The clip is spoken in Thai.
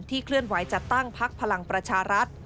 เคลื่อนไหวจัดตั้งพักพลังประชารัฐ